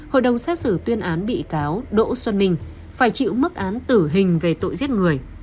hội đồng xét xử tuyên án bị cáo đỗ xuân minh phải chịu mức án tử hình về tội giết người